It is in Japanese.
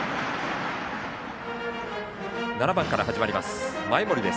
７番から始まります